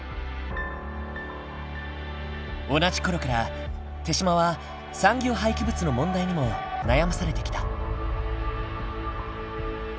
同じ頃から豊島は産業廃棄物の問題にも悩まされてきた。